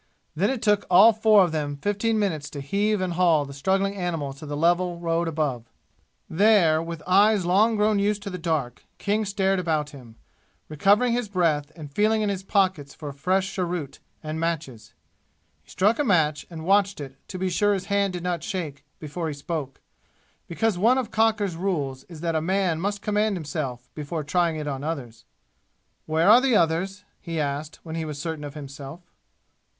Then it took all four of them fifteen minutes to heave and haul the struggling animal to the level road above. There, with eyes long grown used to the dark, King stared about him, recovering his breath and feeling in his pockets for a fresh cheroot and matches. He struck a match and watched it to be sure his hand did not shake before he spoke, because one of Cocker's rules is that a man must command himself before trying it on others. "Where are the others?" he asked, when he was certain of himself.